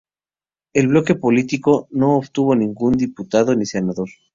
El bloque político no obtuvo ningún diputado ni senador.